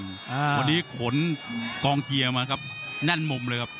วันนี้ขนกองเชียร์มาครับแน่นมุมเลยครับ